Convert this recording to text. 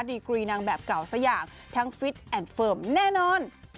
ดีกรีนางแบบเก่าสักอย่างทั้งฟิตแอนดเฟิร์มแน่นอน